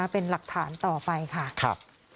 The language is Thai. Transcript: เป็นหลักฐานต่อไปค่ะ